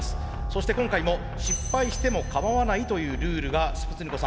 そして今回も失敗してもかまわないというルールがスプツニ子！